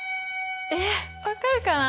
えっ分かるかな？